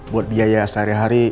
buat biaya sehari hari